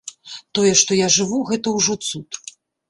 Тое, што я жыву, гэта ўжо цуд.